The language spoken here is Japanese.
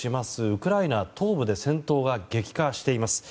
ウクライナ東部で戦闘が激化しています。